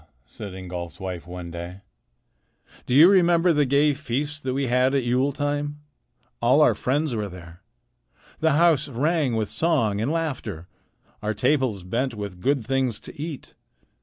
said Ingolf's wife one day, "do you remember the gay feast that we had at Yule time? All our friends were there. The house rang with song and laughter. Our tables bent with good things to eat.